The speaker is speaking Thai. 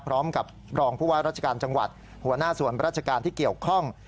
พร้อมกับรองผู้ว่าราชการจังหวัดหัวหน้าส่วนราชการที่เกี่ยวข้อง